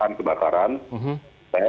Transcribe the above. dan kecepatan kebakaran